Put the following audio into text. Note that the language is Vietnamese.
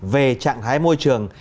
về trạng thái môi trường